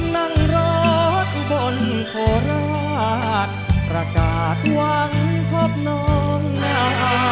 นั่งรออุบลโคราชประกาศหวังพบน้องนา